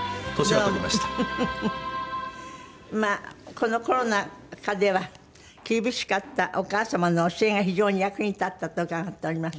このコロナ禍では厳しかったお母様の教えが非常に役に立ったと伺っております。